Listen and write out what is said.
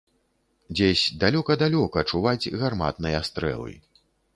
Дзесь далёка-далёка чуваць гарматныя стрэлы.